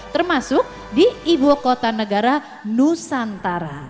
termasuk di ibu kota negara nusantara